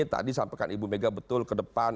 tadi sampaikan ibu mega betul ke depan